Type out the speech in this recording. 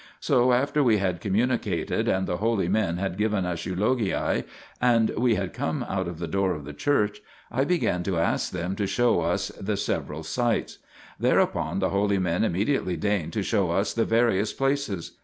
So, after we had com municated, and the holy men had given us eulogiae, and we had come out of the door of the church, I began to ask them to show us the several sites. Thereupon the holy men immediately deigned to show us the various places.